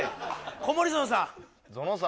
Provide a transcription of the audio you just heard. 小森園さん。